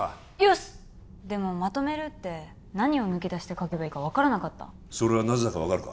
しっでもまとめるって何を抜き出して書けばいいか分からなかったそれはなぜだか分かるか？